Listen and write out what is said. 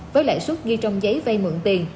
với lãi suất ghi trong giấy vây mượn tiền